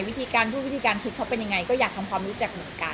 วิธีการพูดวิธีการคิดเขาเป็นยังไงก็อยากทำความรู้จักเหมือนกัน